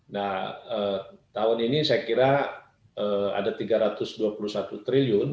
nah tahun ini saya kira ada rp tiga ratus dua puluh satu triliun